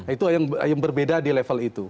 itu yang berbeda di level itu